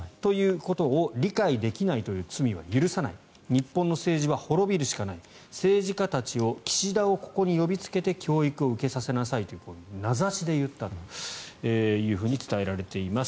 これを理解できないという罪は許さない日本の政治は滅びるしかない政治家たちを岸田をここに呼びつけて教育を受けさせないと名指しで言ったと伝えられています。